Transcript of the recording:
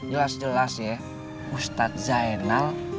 jelas jelas ya ustadz zainal